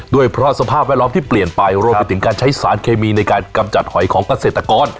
ด้วยเพราะสภาพแวดล้อมที่เปลี่ยนไปรวมไปถึงการใช้สารเคมีในการกำจัดหอยของเกษตรกร